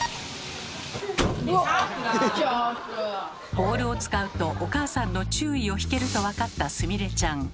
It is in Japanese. ボールを使うとお母さんの注意を引けると分かったすみれちゃん。